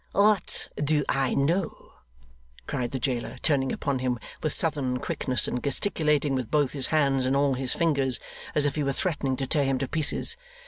'What do I know!' cried the jailer, turning upon him with southern quickness, and gesticulating with both his hands and all his fingers, as if he were threatening to tear him to pieces.